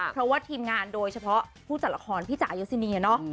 เพราะว่าทีมงานโดยเฉพาะผู้จัดละครพี่จ๋ายศินีย์เนี่ยเนอะ